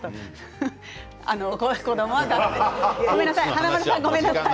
華丸さんごめんなさい。